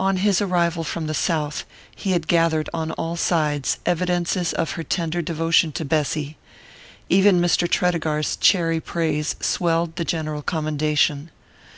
On his arrival from the south he had gathered on all sides evidences of her tender devotion to Bessy: even Mr. Tredegar's chary praise swelled the general commendation.